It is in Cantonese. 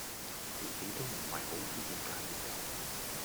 自己都唔係好知點解會咁